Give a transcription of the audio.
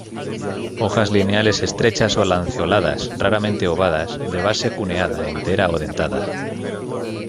Hojas lineales estrechas a lanceoladas, raramente ovadas, de base cuneada, entera o dentada.